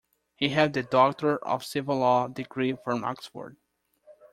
He held the Doctor of Civil Law degree from Oxford.